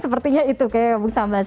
sepertinya itu kayak bung sambas